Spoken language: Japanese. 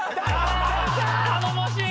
頼もしい！